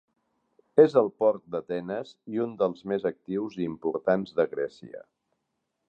És el port d'Atenes i un dels més actius i importants de Grècia.